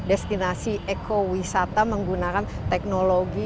untuk wisata menggunakan teknologi